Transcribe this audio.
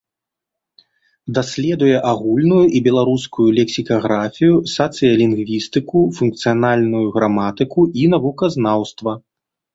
Даследуе агульную і беларускую лексікаграфію, сацыялінгвістыку, функцыянальную граматыку і навуказнаўства.